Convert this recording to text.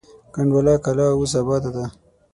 کنډواله کلا اوس اباده وه.